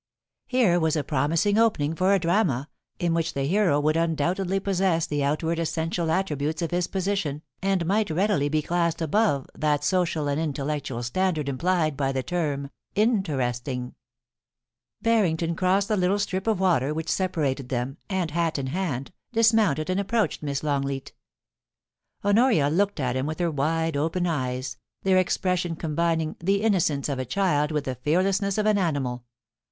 Here was a promising opening for a drama, in which the hero would undoubtedly possess the outward essential attributes of his position, and might readily be classed above that social and intellectual standard implied by the term * interesting/ Barrington crossed the little strip of water which separated them, and, hat in hand, dismounted and approached Miss Longleat Honoria looked at him with her wide open eyes, their expression combining the innocence of a child with the fearlessness of an animal.